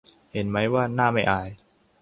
เห็นมั๊ยว่าหน้าไม่อาย